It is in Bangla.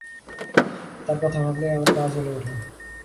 তার কথা ভাবলেই আমার গা জ্বলে উঠে।